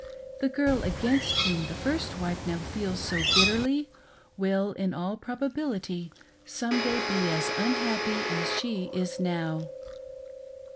The girl against whom the first wife now feels so bitterly, will, in all probability, some day be as unhappy as she is now.